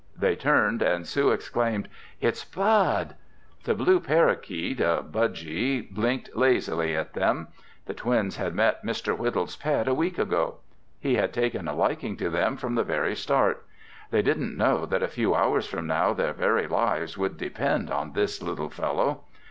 They turned and Sue exclaimed, "It's Bud!" The blue parakeet, a budgy, blinked lazily at them. The twins had met Mr. Whittle's pet a week ago. He had taken a liking to them from the very start. They didn't know that a few hours from now their very lives would depend on this little fellow.